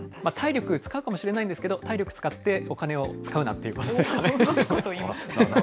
体力使うかもしれないんですけど、体力使ってお金を使うなということですかね。